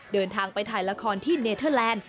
เดินทางไปถ่ายละครที่เนเทอร์แลนด์